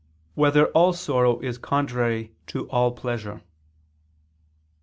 4] Whether All Sorrow Is Contrary to All Pleasure?